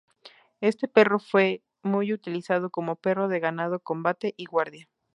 Este perro fue muy utilizado como perro de ganado, combate y guardia.